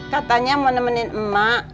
katanya mau nemenin mak